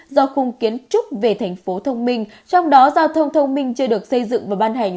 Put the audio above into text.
do khung kiến trúc về thành phố thông minh trong đó giao thông thông minh chưa được xây dựng và ban hành